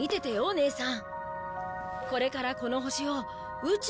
姉さん。